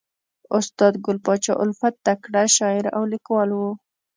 استاد ګل پاچا الفت تکړه شاعر او لیکوال ؤ.